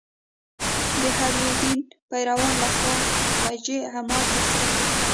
د هر دین پیروانو له خوا فجیع اعمال تر سره کېږي.